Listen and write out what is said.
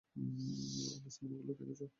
আমার সিনেমাগুলো দেখেছ?